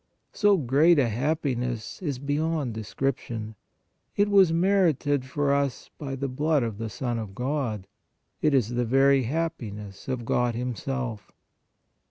So great a happiness is beyond description; it was merited for us by the blood of the Son of God; it is the very happiness of God Himself.